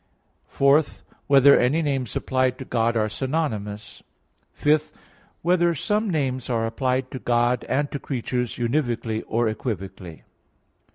(4) Whether any names applied to God are synonymous? (5) Whether some names are applied to God and to creatures univocally or equivocally?